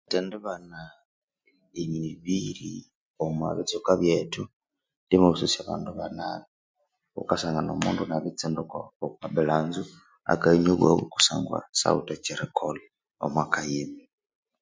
Erithemdibana emibiri omwa bitsweka byethu lyamasosya abandu banabi wukasangana omundu inabiri tsinduka okwa kabilanzo akayanywa obwabu kasangwa syawithe ekyerikolha omwaka yiwe.